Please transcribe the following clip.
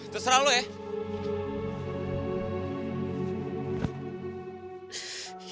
terserah lo ya